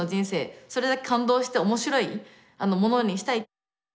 それだけ感動して面白いものにしたい。